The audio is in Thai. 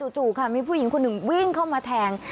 จู่ค่ะมีผู้หญิงคนหนึ่งวิ่งเข้ามาแทง